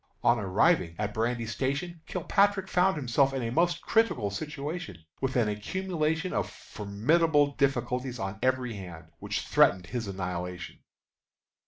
On arriving at Brandy Station Kilpatrick found himself in a most critical situation, with an accumulation of formidable difficulties on every hand, which threatened his annihilation.